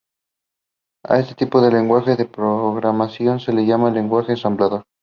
A este tipo de lenguaje de programación se le llama lenguaje ensamblador.